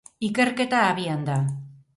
Ikerketa abian da.